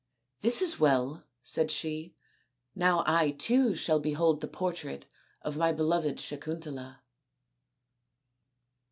" This is well," said she; " now I too shall behold the portrait of my beloved Sakuntala."